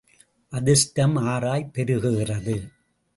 அதிர்ஷ்டம் ஆறாய்ப் பெருகுகிறது.